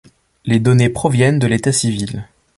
Les données proviennent de l’état civil.